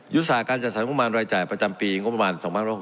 ศาสตร์การจัดสรรงบประมาณรายจ่ายประจำปีงบประมาณ๒๖๖